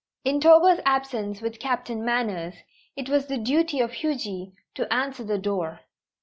In Togo's absence with Captain Manners, it was the duty of Huji to answer the door.